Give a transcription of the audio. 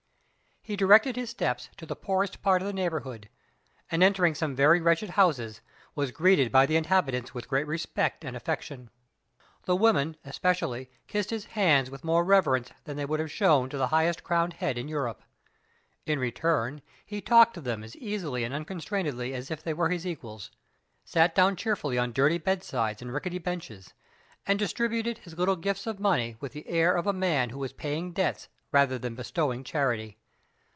He directed his steps to the poorest part of the neighborhood; and entering some very wretched houses, was greeted by the inhabitants with great respect and affection. The women, especially, kissed his hands with more reverence than they would have shown to the highest crowned head in Europe. In return, he talked to them as easily and unconstrainedly as if they were his equals; sat down cheerfully on dirty bedsides and rickety benches; and distributed his little gifts of money with the air of a man who was paying debts rather than bestowing charity.